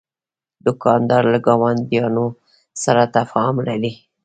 دوکاندار له ګاونډیانو سره تفاهم لري.